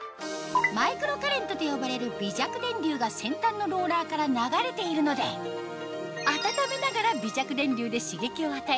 マイクロカレントと呼ばれる微弱電流が先端のローラーから流れているので温めながら微弱電流で刺激を与え